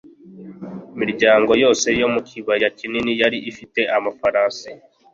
imiryango yose yo mu kibaya kinini yari ifite amafarasi